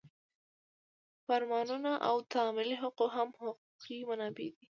فرمانونه او تعاملي حقوق هم حقوقي منابع دي.